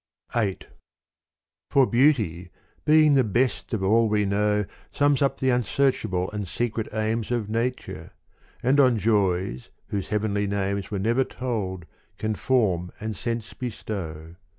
VIII For beauty being the best of all we know Sums up the unsearchable and secret aims Of nature, and on joys whose heavenly names Were never told can form and sense bestow.